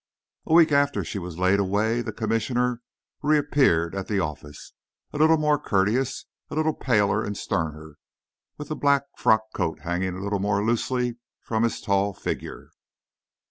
A week after she was laid away, the Commissioner reappeared at the office, a little more courteous, a little paler and sterner, with the black frock coat hanging a little more loosely from his tall figure.